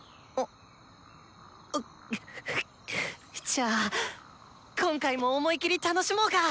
じゃあ今回も思い切り楽しもうか。